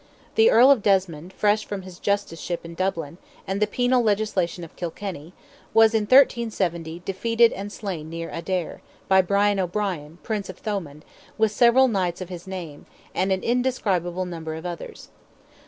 The Earl of Desmond, fresh from his Justiceship in Dublin, and the penal legislation of Kilkenny, was, in 1370, defeated and slain near Adare, by Brian O'Brien, Prince of Thomond, with several knights of his name, and "an indescribable number of others."